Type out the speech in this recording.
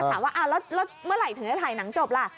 แล้วถามว่าเมื่อไหร่ถึงได้ถ่ายหนังจบล่ะ